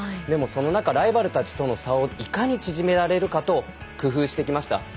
でもその中、ライバルたちとの差をいかに縮められるかと工夫してきました。